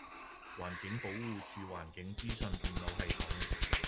環境保護署環境資訊電腦系統